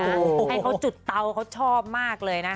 ให้เขาจุดเตาเขาชอบมากเลยนะ